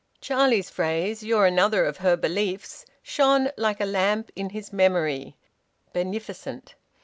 Charlie's phrase, `You're another of her beliefs,' shone like a lamp in his memory, beneficent.